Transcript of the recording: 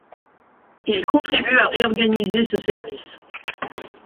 Il contribue à réorganiser ce service.